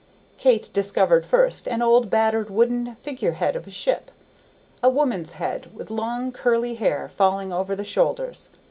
Kate discovered first an old battered wooden figure head of a ship, a woman's head with long curly hair falling over the shoulders.